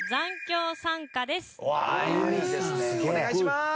お願いします！